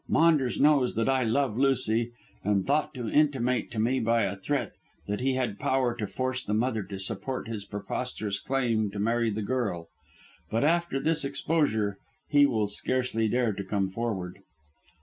Maunders knows that I love Lucy and thought to intimidate me by a threat that he had power to force the mother to support his preposterous claim to marry the girl. But after this exposure he will scarcely dare to come forward."